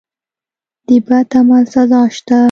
د بد عمل سزا شته.